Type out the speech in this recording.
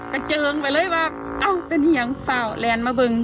กระเจิงไปเลยว่าเอาเป็นยัง